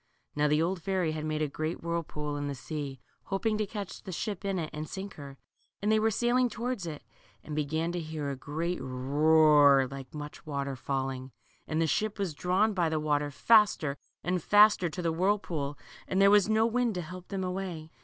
Now the old fairy had made a great whirlpool in the sea, hoping to catch the ship in it and sink her, and they were sailing towards it, and began to hear a great roar like much water falling. And the ship was drawn by the water faster and faster to the whirlpool, and there was no wind to help them away.